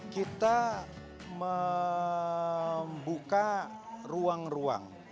kita membuka ruang ruang